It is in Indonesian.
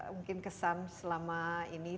mungkin kesan selama ini